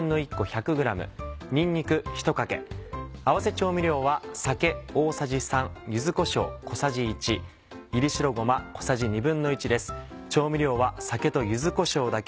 調味料は酒と柚子こしょうだけ。